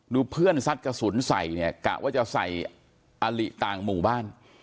เพื่อนซัดกระสุนใส่เนี่ยกะว่าจะใส่อลิต่างหมู่บ้าน